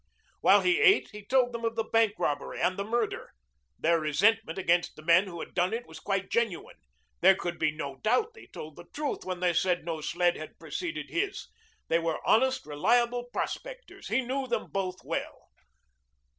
While he ate he told them of the bank robbery and the murder. Their resentment against the men who had done it was quite genuine. There could be no doubt they told the truth when they said no sled had preceded his. They were honest, reliable prospectors. He knew them both well.